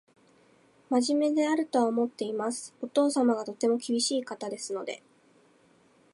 真面目であるとは思っています。お父様がとても厳しい方ですので